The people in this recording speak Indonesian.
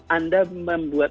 anda membuat keselamatan